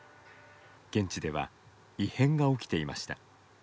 現地では異変が起きていました。